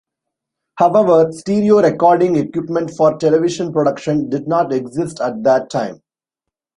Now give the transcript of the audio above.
However, stereo recording equipment for television production did not exist at that time.